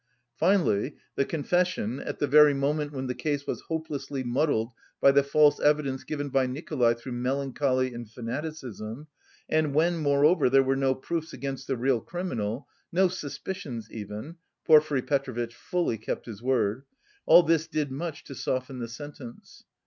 Finally, the confession, at the very moment when the case was hopelessly muddled by the false evidence given by Nikolay through melancholy and fanaticism, and when, moreover, there were no proofs against the real criminal, no suspicions even (Porfiry Petrovitch fully kept his word) all this did much to soften the sentence.